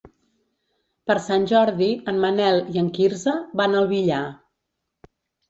Per Sant Jordi en Manel i en Quirze van al Villar.